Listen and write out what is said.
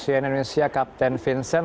cnn indonesia kapten vincent